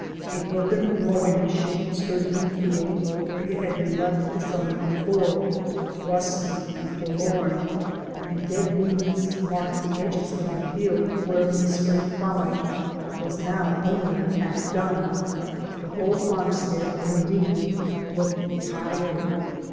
A broken mowing machine stood in the field where it had been left the summer before, rusty and forlorn, and dead weeds marked the edges of a field wherein the spring ploughing was now only half done. The whole farmstead, indeed, looked tired.